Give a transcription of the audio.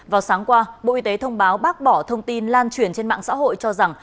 vào sáng qua bộ y tế thông báo bác bỏ thông tin lan truyền trên mạng xã hội cho rằng